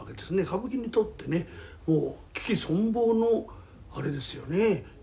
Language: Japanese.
歌舞伎にとってね危機存亡のあれですよね。